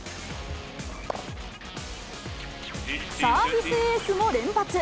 サービスエースも連発。